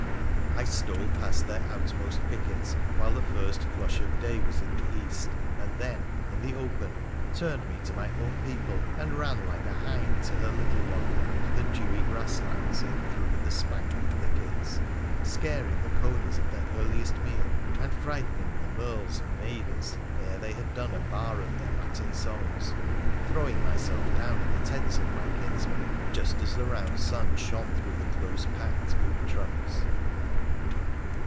I stole past their outmost pickets while the first flush of day was in the east, and then, in the open, turned me to my own people and ran like a hind to her little one over the dewy grasslands and through the spangled thickets, scaring the conies at their earliest meal, and frightening the merles and mavis ere they had done a bar of their matin songs, throwing myself down in the tents of my kinsmen just as the round sun shone through the close packed oak trunks.